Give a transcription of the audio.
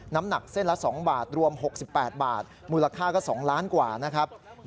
น้ำหนักเส้นละ๒บาทรวม๖๘บาทมูลค่าก็๒ล้านกว่านะครับ